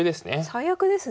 最悪ですね。